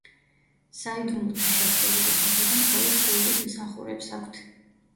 საიდუმლოთა შესრულების უფლება მხოლოდ კულტის მსახურებს აქვთ.